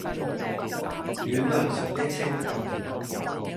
軟泥上的青荇